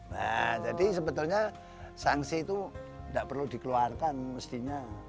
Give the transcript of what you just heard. nah jadi sebetulnya sanksi itu tidak perlu dikeluarkan mestinya